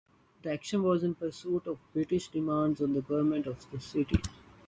The action was in pursuit of British demands on the government of the city.